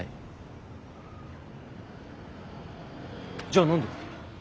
じゃあ何で？